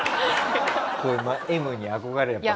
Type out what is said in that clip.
こういうＭに憧れるの？